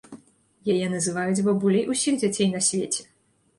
Яе называюць бабуляй усіх дзяцей на свеце.